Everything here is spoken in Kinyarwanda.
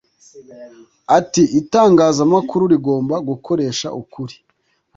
Ati “Itangazamakuru rigomba gukoresha ukuri